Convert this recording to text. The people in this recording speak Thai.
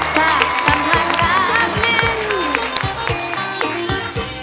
ถ้ากำลังรับนิ้น